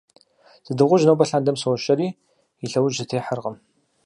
Зы дыгъужь нобэ лъандэм сощэри, и лъэужь сытехьэркъым.